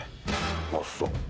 あっそう。